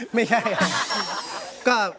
สวัสดีครับ